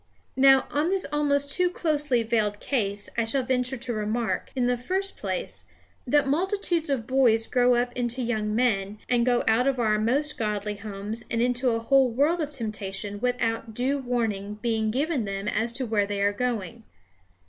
Now, on this almost too closely veiled case I shall venture to remark, in the first place, that multitudes of boys grow up into young men, and go out of our most godly homes and into a whole world of temptation without due warning being given them as to where they are going.